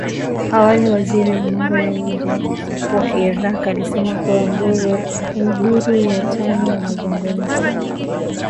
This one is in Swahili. Awali waziri wa mambo ya nje wa Iraq alisema kuwa duru ya tano ya mazungumzo